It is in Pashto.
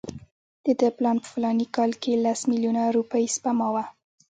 د ده پلان په فلاني کال کې لس میلیونه روپۍ سپما وه.